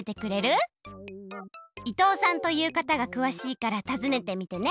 伊藤さんというかたがくわしいからたずねてみてね。